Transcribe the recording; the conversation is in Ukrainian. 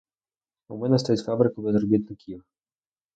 У мене стоїть фабрика без робітників.